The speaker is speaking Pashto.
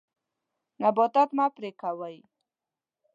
نباتات مه پرې کوئ.